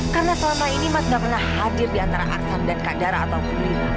karena selama ini mas gak pernah hadir diantara aksan dan kak dara atau pemiru